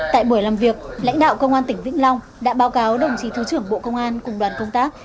tại buổi làm việc lãnh đạo công an tỉnh vĩnh long đã báo cáo đồng chí thứ trưởng bộ công an cùng đoàn công tác